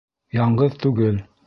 Яңғыҙ түгел.